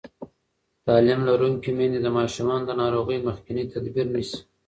تعلیم لرونکې میندې د ماشومانو د ناروغۍ مخکینی تدبیر نیسي.